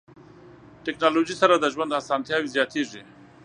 ټکنالوژي سره د ژوند اسانتیاوې زیاتیږي.